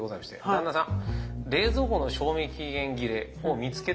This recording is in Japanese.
旦那さん。